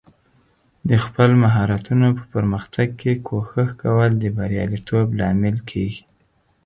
د خپل مهارتونو په پرمختګ کې کوښښ کول د بریالیتوب لامل کیږي.